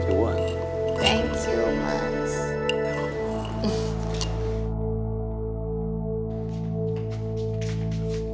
terima kasih mas